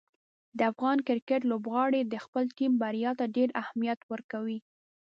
د افغان کرکټ لوبغاړي د خپلې ټیم بریا ته ډېر اهمیت ورکوي.